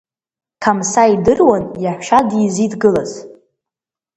Қамса идыруан иаҳәшьа дызидгылаз.